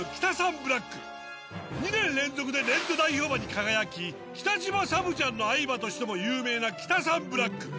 ２年連続で年度代表馬に輝き北島サブちゃんの愛馬としても有名なキタサンブラック。